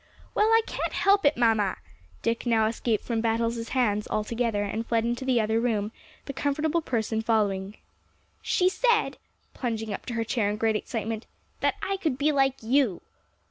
"Well, I can't help it, mamma." Dick now escaped from Battles' hands altogether, and fled into the other room, the comfortable person following. "She said" plunging up to her chair in great excitement "that I could be like you."